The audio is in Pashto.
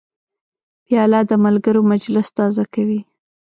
پیاله د ملګرو مجلس تازه کوي.